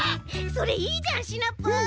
それいいじゃんシナプー！